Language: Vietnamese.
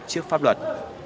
trước pháp luật